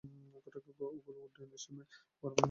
ওগুলো উড্ডয়ন সীমার মাঝ বরাবর আটকে গেছে, স্যার!